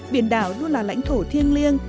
biển đảo luôn là lãnh thổ thiêng liêng